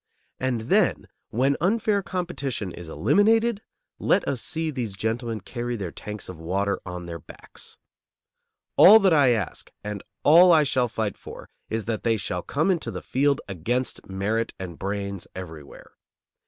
And then when unfair competition is eliminated, let us see these gentlemen carry their tanks of water on their backs. All that I ask and all I shall fight for is that they shall come into the field against merit and brains everywhere.